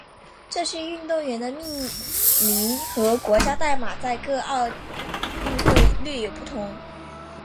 这些运动员的命名和国家代码在各届奥运会略有不同。